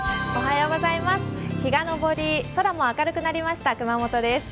日が昇り、空も明るくなりました、熊本です。